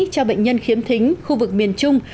cho bệnh nhân khiếm thính khu vực miền trung